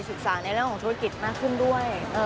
ในเรื่องของธุรกิจมากขึ้นด้วย